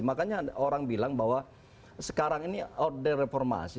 makanya orang bilang bahwa sekarang ini order reformasi